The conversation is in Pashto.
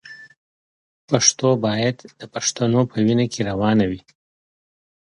پښتو باید د پښتنو په وینه کې روانه وي.